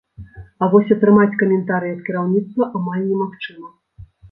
А вось атрымаць каментарый ад кіраўніцтва амаль немагчыма.